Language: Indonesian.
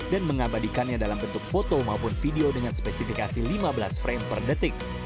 dan mengabadikannya dalam bentuk foto maupun video dengan spesifikasi lima belas frame per detik